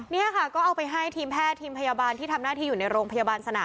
นี่ค่ะก็เอาไปให้ทีมแพทย์ทีมพยาบาลที่ทำหน้าที่อยู่ในโรงพยาบาลสนาม